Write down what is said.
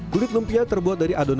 kulit lumpia terbuat dari adonan